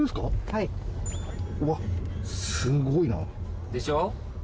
はいわっすごいなでしょ